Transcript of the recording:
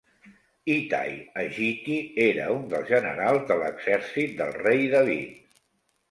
Itai haGiti era un dels generals de l'exèrcit del rei David.